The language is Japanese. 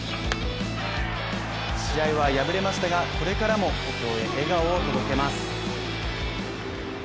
試合は敗れましたが、これからも故郷へ笑顔を届けます。